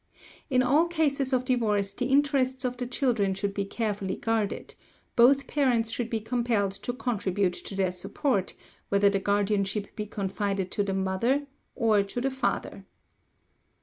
In all cases of divorce the interests of the children should be carefully guarded; both parents should be compelled to contribute to their support, whether the guardianship be confided to the father or to the mother.